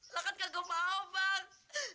lo kan gak mau bang